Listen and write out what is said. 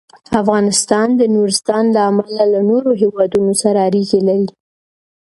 افغانستان د نورستان له امله له نورو هېوادونو سره اړیکې لري.